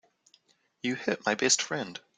You hit my best friend.